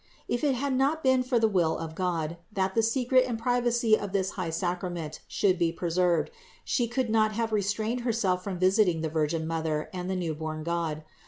If it had not been for the will of God, that the secret and privacy of this high sacrament should be preserved, she could not have restrained herself from visiting the Virgin Mother and the newborn God.